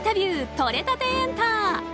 とれたてエンタ。